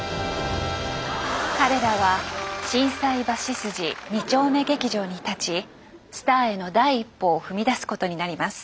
彼らは心斎橋筋２丁目劇場に立ちスターへの第一歩を踏み出すことになります。